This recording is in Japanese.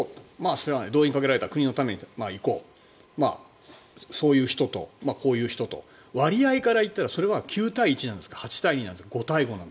それは動員をかけられた国のために行こうそういう人と、こういう人と割合から言ったらそれは９対１なんですか５体５なんですか。